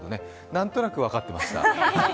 何となく分かってました。